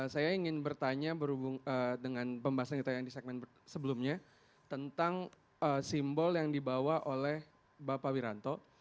saya ingin bertanya berhubung dengan pembahasan kita yang di segmen sebelumnya tentang simbol yang dibawa oleh bapak wiranto